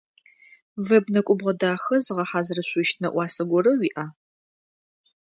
Веб нэкӏубгъо дахэ зыгъэхьазырышъущт нэӏуасэ горэ уиӏа?